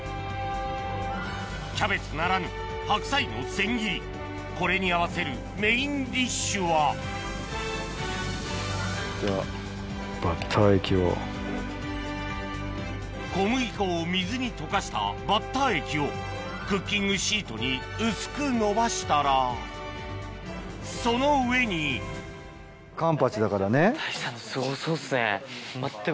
キャベツならぬ白菜の千切りこれに合わせるメインディッシュは小麦粉を水に溶かしたバッター液をクッキングシートに薄くのばしたらその上に太一さんのすごそうですね。